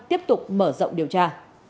tiếp tục mở rộng điều tra